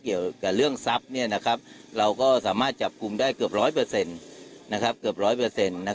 เกี่ยวกับเรื่องทรัพย์เราก็สามารถจับกลุ่มได้เกือบ๑๐๐เกือบ๑๐๐